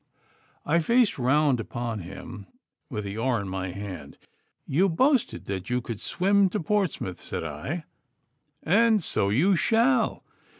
I faced round upon him with the oar in my hand. 'You boasted that you could swim to Portsmouth,' said I, 'and so you shall.